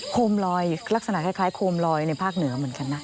โคมลอยลักษณะคล้ายโคมลอยในภาคเหนือเหมือนกันนะ